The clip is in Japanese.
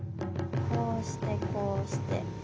こうしてこうして。